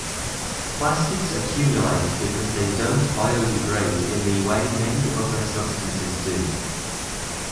Plastics accumulate because they don't biodegrade in the way many other substances do.